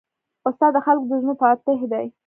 استاد د خلکو د زړونو فاتح دی.